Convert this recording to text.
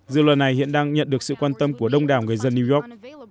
dự luật này hiện đang nhận được sự quan tâm của đông đảo người dân new york